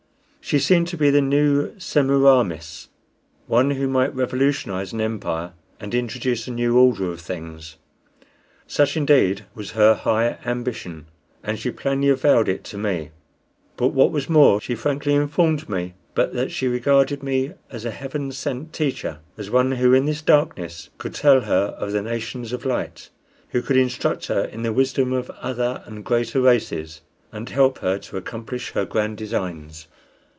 She seemed to be a new Semiramis one who might revolutionize an empire and introduce a new order of things. Such, indeed, was her high ambition, and she plainly avowed it to me; but what was more, she frankly informed me that she regarded me as a Heaven sent teacher as one who in this darkness could tell her of the nations of light who could instruct her in the wisdom of other and greater races, and help her to accomplish her grand designs.